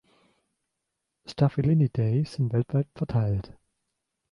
Staphylinidae sind weltweit verteilt.